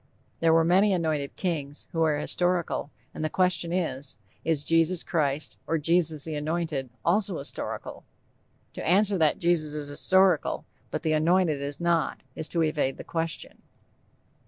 _ There were many anointed kings, who are historical, and the question is, Is Jesus Christ or Jesus the Anointed also historical? To answer that Jesus is historical, but The Anointed is not, is to evade the question.